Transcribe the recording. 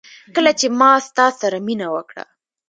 کله چي ما ستا سره مينه وکړه